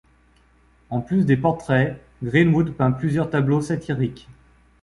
En plus des portraits, Greenwood peint plusieurs tableaux satiriques.